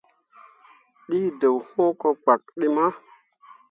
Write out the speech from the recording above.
Ɗii deɓ hũũ ko kpak ɗi mah.